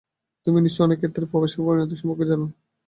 তুমি নিশ্চয়ই অন্যের ক্ষেত্রে প্রবেশের পরিণতি সম্পর্কে জানো।